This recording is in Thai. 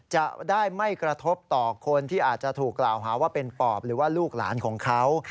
จะได้ไม่กระทบต่อคนที่อาจจะถูกกล่าวหาว่าเป็นปอบหรือว่าลูกหลานของเขา